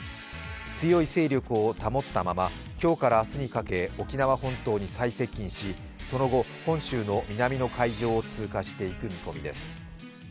強い勢力を保ったまま今日から明日にかけ沖縄本島に最接近しその後、本州の南の海上を通過していく見込みです。